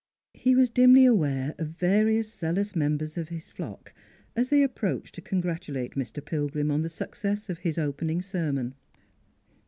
He was dimly aware of various zealous members of his flock as they approached to con gratulate Mr. Pilgrim on the success of his open ing sermon.